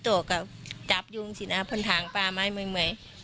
ดอกออยู่สินะปฐานปลาเมือง